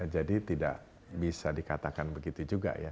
jadi tidak bisa dikatakan begitu juga